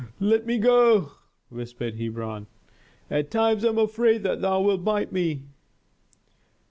"Let me go," whispered Hebron. "At times I am afraid that thou wilt bite me."